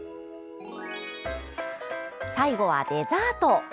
最後はデザート。